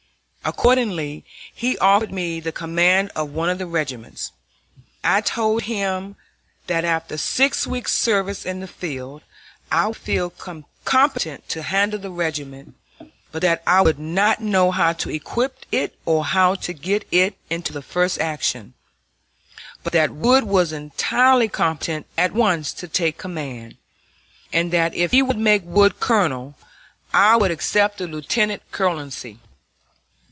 Accordingly he offered me the command of one of the regiments. I told him that after six weeks' service in the field I would feel competent to handle the regiment, but that I would not know how to equip it or how to get it into the first action; but that Wood was entirely competent at once to take command, and that if he would make Wood colonel I would accept the lieutenant colonelcy.